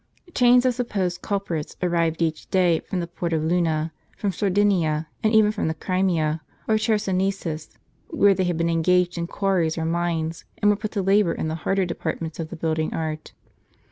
Chains of supposed culprits arrived each day from the port of Luna, from Sardinia, and even from the Crimea, or Chersone sus, where they had been engaged in quarries or mines; and were put to labor in the harder departments of the building art.